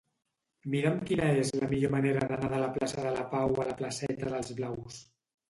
Mira'm quina és la millor manera d'anar de la plaça de la Pau a la placeta d'Els Blaus.